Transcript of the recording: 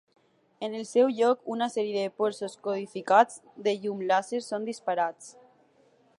En el seu lloc, una sèrie de polsos codificats de llum làser són disparats.